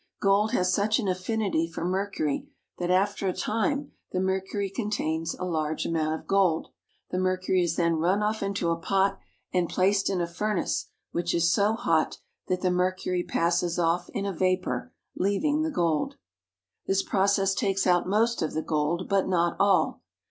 Gold has such an affinity for mercury that after a time the mercury con tains a large amount of gold. The mercury is then run off into a pot and placed in a furnace which is so hot that the mercury passes off in a vapor, leaving the gold. This process takes out most of the gold, but not all.